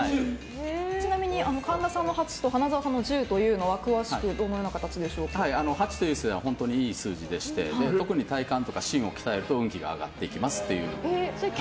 ちなみに神田さんの８と花澤さんの１０は８という数字は本当にいい数字でして特に体幹とか芯を鍛えると運気が上がっていきます。